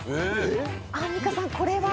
アンミカさんこれは？